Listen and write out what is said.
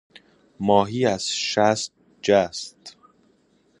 ماهی از شست جست.